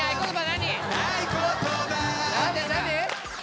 何？